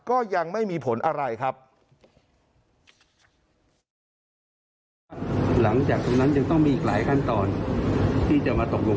แนวทางไหนอย่าไปโดยจริงลืมไม่ได้เลย